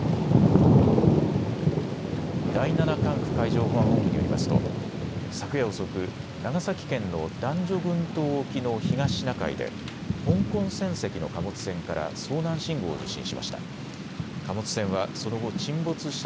第７管区海上保安本部によりますと昨夜遅く、長崎県の男女群島沖の東シナ海で香港船籍の貨物船から遭難信号を受信しました。